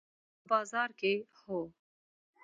په بازار کې، هو